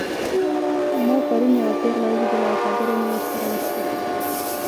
ما پرون یوه پیغله ولیدله او خبرې مې ورسره وکړې